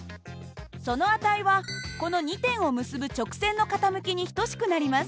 その値はこの２点を結ぶ直線の傾きに等しくなります。